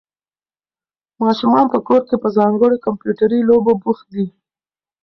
ماشومان په کور کې په ځانګړو کمپیوټري لوبو بوخت دي.